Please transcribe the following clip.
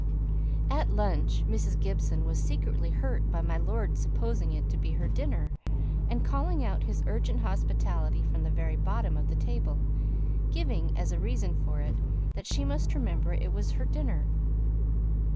At lunch Mrs. Gibson was secretly hurt by my lord's supposing it to be her dinner, and calling out his urgent hospitality from the very bottom of the table, giving as a reason for it, that she must remember it was her dinner.